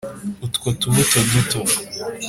utwo tubuto duto